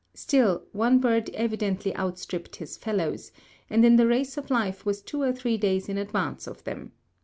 Still, one bird evidently outstripped his fellows, and in the race of life was two or three days in advance of them.